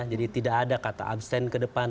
jadi tidak ada kata abstain kedepan